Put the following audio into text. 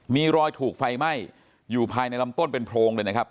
มีรอยถูกไฟไหม้อยู่ภายในลำต้นเป็นโพรงเลยนะครับ